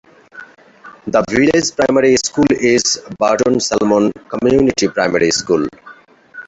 The village primary school is Burton Salmon Community Primary School.